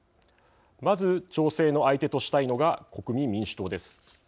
まず、調整の相手としたいのが国民民主党です。